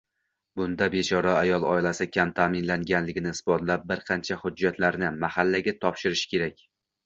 Bunda bechora ayol oilasi kam ta'minlanganligini isbotlab, bir qancha hujjatlarni Mahallaga topshirishi kerak